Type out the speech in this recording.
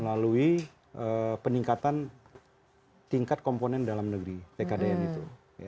melalui peningkatan tingkat komponen dalam negeri tkdn itu